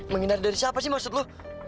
menghindar dari siapa sih maksud lu